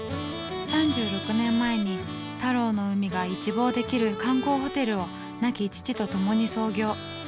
３６年前に田老の海が一望できる観光ホテルを亡き父と共に創業。